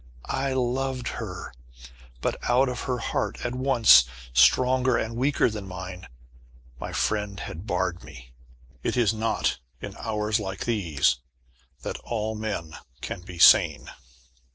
I loved her! But, out of her heart, at once stronger and weaker than mine, my friend had barred me. It is not in hours like these, that all men can be sane.